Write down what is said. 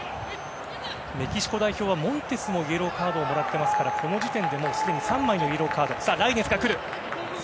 メキシコ代表はモンテスもイエローカードをもらっていますからこの時点ですでに３枚のイエローカード。